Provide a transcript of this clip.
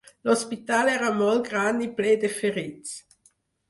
L'hospital era molt gran i ple de ferits